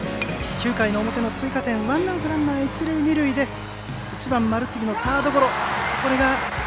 ９回表、追加点ワンアウトランナー一、二塁で丸次のサードゴロ。